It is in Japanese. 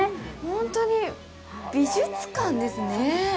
ほんとに美術館ですね。